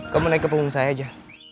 kamu naik ke punggung saya aja